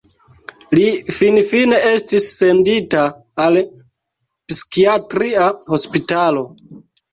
Li finfine estis sendita al psikiatria hospitalo.